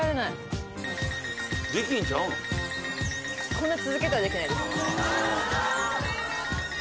こんな続けてはできないです。